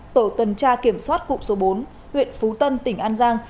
tổ tuần tra kiểm soát cụm số bốn huyện phú tân tỉnh an giang